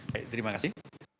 baik terima kasih